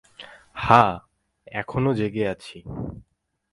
হ্যাঁ, এখনো জেগে আছি।